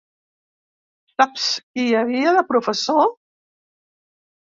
Saps qui hi havia de professor?